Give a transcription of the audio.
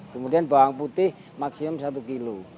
kemudian bawang putih maksimum satu kilo